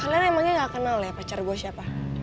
kalian emangnya nggak kenal ya pacar gue siapa